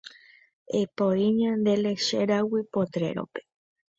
Epoi ñande lechéragui potrero-pe.